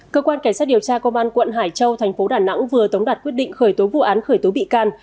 cơ quan cảnh sát điều tra công an quận hải châu thành phố đà nẵng vừa tống đạt quyết định khởi tố vụ án khởi tố bị can